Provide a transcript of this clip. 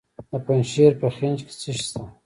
د پنجشیر په خینج کې څه شی شته؟